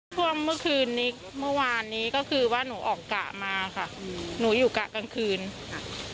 ช่วงเมื่อคืนนี้เมื่อวานนี้ก็คือว่าหนูออกกะมาค่ะหนูอยู่กะกลางคืนค่ะ